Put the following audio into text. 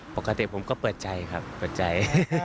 ปกติผมก็เปิดใจครับเปิดใจ